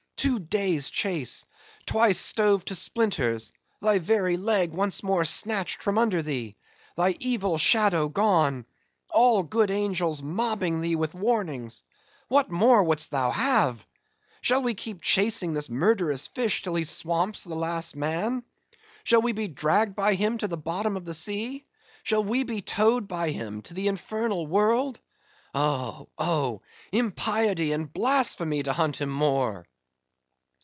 Two days chased; twice stove to splinters; thy very leg once more snatched from under thee; thy evil shadow gone—all good angels mobbing thee with warnings:—what more wouldst thou have?—Shall we keep chasing this murderous fish till he swamps the last man? Shall we be dragged by him to the bottom of the sea? Shall we be towed by him to the infernal world? Oh, oh,—Impiety and blasphemy to hunt him more!"